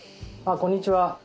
こんにちは。